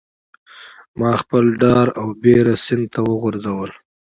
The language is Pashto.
ماخپل ډار او بیره سیند ته وغورځول